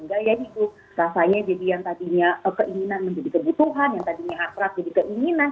rasanya jadi yang tadinya keinginan menjadi kebutuhan yang tadinya hasrat menjadi keinginan